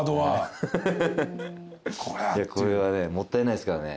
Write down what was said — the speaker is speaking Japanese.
これはねもったいないですからね。